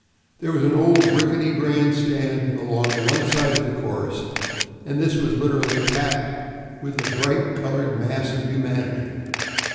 There was an old rickety grand stand along one side of the course, and this was literally packed with a bright colored mass of humanity.